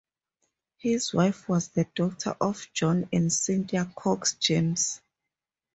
His wife was the daughter of John and Cynthia (Cox) James.